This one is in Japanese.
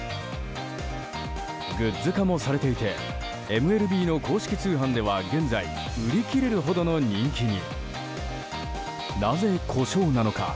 グッズ化もされていてＭＬＢの公式通販では現在、売り切れるほどの人気に。